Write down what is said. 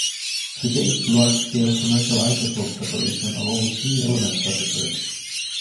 To date, large-scale commercial isotope separation of only three elements has occurred.